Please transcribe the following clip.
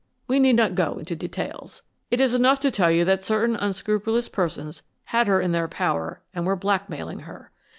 We need not go into details. It is enough to tell you that certain unscrupulous persons had her in their power and were blackmailing her.